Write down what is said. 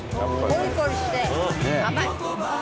コリコリして甘い。